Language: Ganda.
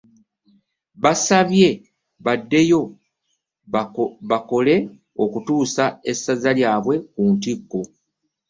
Abasabye baddeyo bakole okutuusa essaza lyabwe ku ntikko.